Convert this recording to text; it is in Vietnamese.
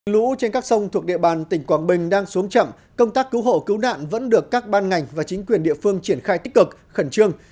lũ trên các sông thuộc địa bàn tỉnh quảng bình đang xuống chậm công tác cứu hộ cứu nạn vẫn được các ban ngành và chính quyền địa phương triển khai tích cực khẩn trương